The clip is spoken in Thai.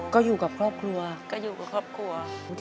ก็อยู่กับครอบครัว